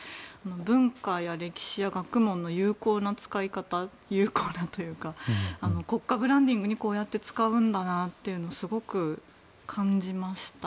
文化や歴史や学問の有効な使い方有効なというか国家ブランディングにこうやって使うんだなとすごく感じました。